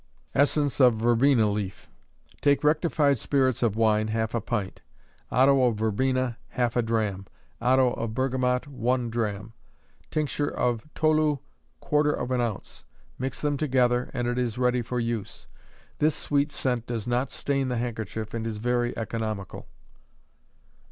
Essence of Verbena Leaf. Take rectified spirits of wine, half a pint; otto of verbena, half a drachm; otto of bergamot, one drachm; tincture of tolu, quarter of an ounce. Mix them together, and it is ready for use. This sweet scent does not stain the handkerchief and is very economical.